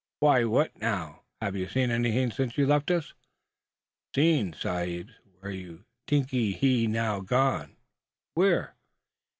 "Why, what now? Have you seen anything since you left us?" "Seen, sahibs! Where you tinkee he now gone?" "Where?"